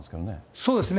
そうですね。